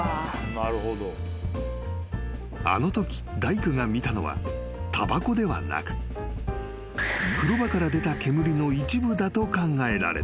［あのとき大工が見たのはたばこではなく風呂場から出た煙の一部だと考えられた］